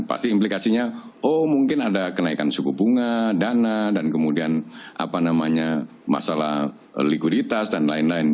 pasti implikasinya oh mungkin ada kenaikan suku bunga dana dan kemudian apa namanya masalah likuiditas dan lain lain